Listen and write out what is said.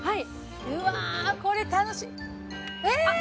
うわこれ楽しい！